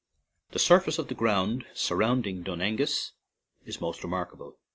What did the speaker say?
The surface of the ground surround ing Dun Aengus is most remarkable.